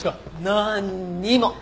なんにも。